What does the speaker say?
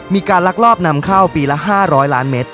ลักลอบนำเข้าปีละ๕๐๐ล้านเมตร